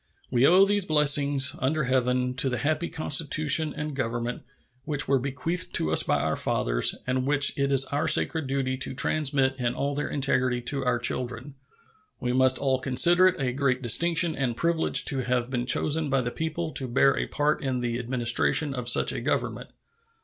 We owe these blessings, under Heaven, to the happy Constitution and Government which were bequeathed to us by our fathers, and which it is our sacred duty to transmit in all their integrity to our children. We must all consider it a great distinction and privilege to have been chosen by the people to bear a part in the administration of such a Government.